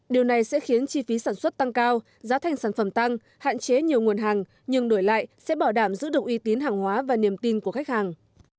điều này sẽ khiến chi phí sản xuất tăng cao giá thành sản phẩm tăng hạn chế nhiều nguồn hàng nhưng đổi lại sẽ bảo đảm giữ được uy tín hàng hóa và niềm tin của khách hàng